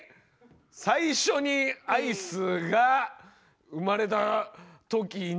最初にアイスが生まれた時に。